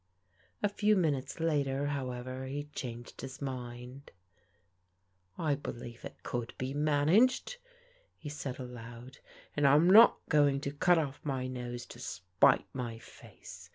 A few minutes later, however, he changed his mind. " I believe it could be managed," he said aloud, " and I'm not going to cut off my nose to spite my face.